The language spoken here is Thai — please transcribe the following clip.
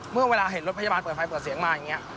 เมื่อเวลาเห็นรถพยาบาลเปิดไฟเปิดเสียงมาอย่างนี้